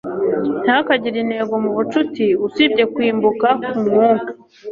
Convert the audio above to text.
ntihakagire intego mubucuti usibye kwimbuka kwumwuka